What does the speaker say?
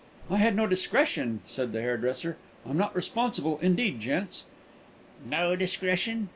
"I had no discretion," said the hairdresser. "I'm not responsible, indeed, gents." "No discretion!